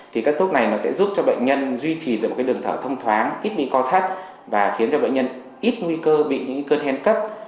thì các thuốc này nó sẽ giúp cho bệnh nhân duy trì được một đường thở thông thoáng ít bị co thắt và khiến cho bệnh nhân ít nguy cơ bị những cơn hen cấp